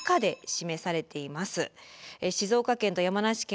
静岡県と山梨県